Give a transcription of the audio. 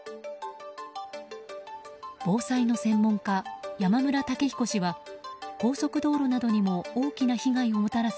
防災の専門家・山村武彦氏は高速道路などにも大きな被害をもたらす